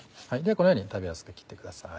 このように食べやすく切ってください。